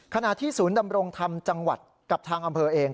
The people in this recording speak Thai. ขณะที่ศูนย์ดำรงธรรมจังหวัดกับทางอำเภอเอง